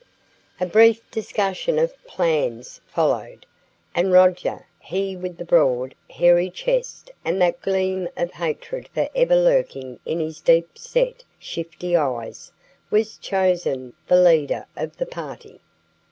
A brief discussion of plans followed, and Roger he with the broad, hairy chest and that gleam of hatred for ever lurking in his deep set, shifty eyes was chosen the leader of the party.